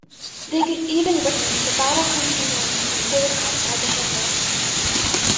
They could even witness the battle continuing to unfold outside the hangar.